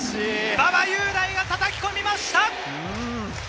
馬場雄大が叩き込みました！